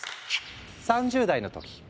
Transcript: ３０代の時。